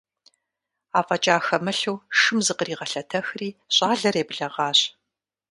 АфӀэкӀа хэмылъу шым зыкъригъэлъэтэхри, щӀалэр еблэгъащ.